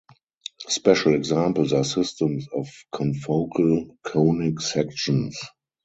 Special examples are systems of confocal conic sections.